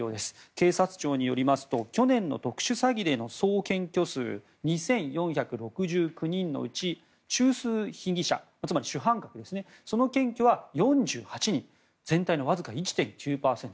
警察庁によりますと去年の特殊詐欺での総検挙数２４６９人のうち中枢被疑者つまり主犯格その検挙は４８人全体のわずか１．９％